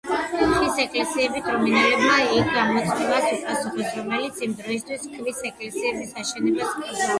ხის ეკლესიებით რუმინელებმა იმ გამოწვევას უპასუხეს, რომელიც იმ დროისათვის ქვის ეკლესიების აშენებას კრძალავდა.